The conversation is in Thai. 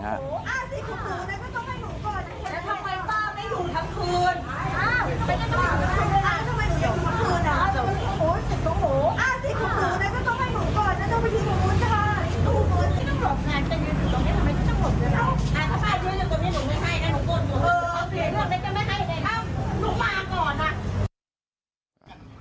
ใช่ผมกำลังต้องไปช่วยเหมือนจบ